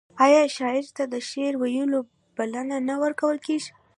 آیا شاعر ته د شعر ویلو بلنه نه ورکول کیږي؟